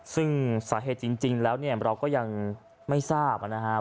ซึ่งสาเหตุจริงแล้วเนี่ยเราก็ยังไม่ทราบนะครับ